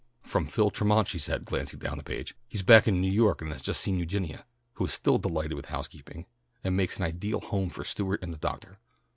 "From Phil Tremont," she said, glancing down the page. "He's back in New York and has just seen Eugenia, who is still delighted with housekeeping, and makes an ideal home for Stewart and the doctor.